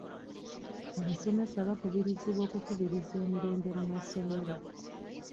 Abasomesa bakubirizibwa okukubiriza emirembe mu masomero.